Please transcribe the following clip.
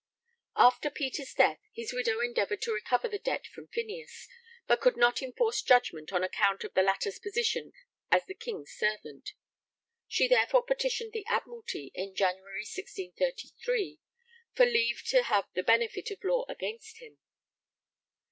After Peter's death, his widow endeavoured to recover the debt from Phineas, but could not enforce judgment on account of the latter's position as the King's servant. She therefore petitioned the Admiralty in January 1633 for 'leave to have the benefit of law against him.'